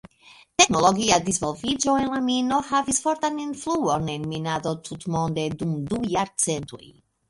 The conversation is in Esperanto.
Teknologia disvolviĝo en la mino havis fortan influon en minado tutmonde dum du jarcentoj.